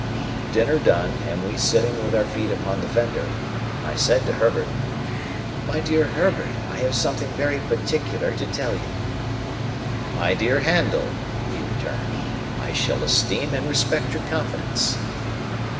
Dinner done and we sitting with our feet upon the fender, I said to Herbert, "My dear Herbert, I have something very particular to tell you." "My dear Handel," he returned, "I shall esteem and respect your confidence."